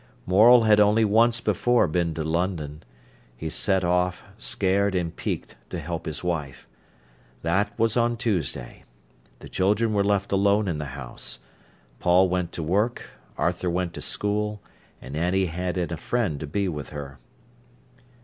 Morel had only once before been to London. He set off, scared and peaked, to help his wife. That was on Tuesday. The children were left alone in the house. Paul went to work, Arthur went to school, and Annie had in a friend to be with her.